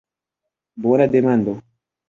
Bona demando!